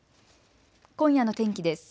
今夜の天気です。